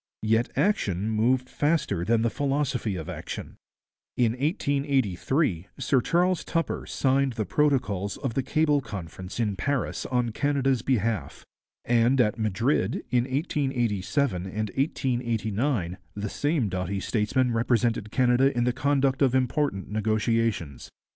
Yet action moved faster than the philosophy of action. In 1883 Sir Charles Tupper signed the protocols of the Cable Conference in Paris on Canada's behalf; and at Madrid, in 1887 and 1889, the same doughty statesman represented Canada in the conduct of important negotiations.